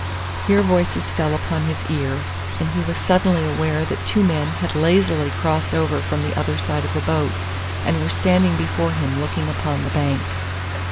Here voices fell upon his ear, and he was suddenly aware that two men had lazily crossed over from the other side of the boat, and were standing before him looking upon the bank.